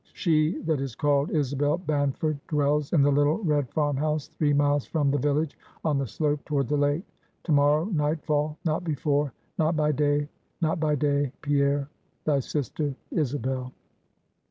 She that is called Isabel Banford dwells in the little red farm house, three miles from the village, on the slope toward the lake. To morrow night fall not before not by day, not by day, Pierre. THY SISTER, ISABEL."